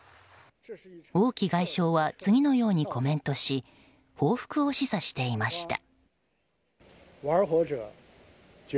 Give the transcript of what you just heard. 王毅外相は次のようにコメントし報復を示唆していました。